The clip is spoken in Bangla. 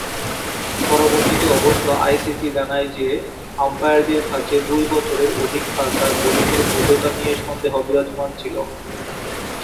পরবর্তীতে অবশ্য আইসিসি জানায় যে, আম্পায়ারদের কাছে দুই বছরের অধিককাল তার বোলিংয়ের বৈধতা নিয়ে সন্দেহ বিরাজমান ছিল।